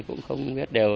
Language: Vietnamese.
cũng không biết đều